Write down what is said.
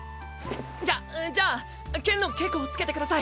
じゃじゃあ剣の稽古を付けてください。